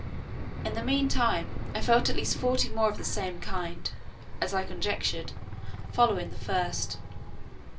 In the mean time, I felt at least forty more of the same kind (as I conjectured) following the first.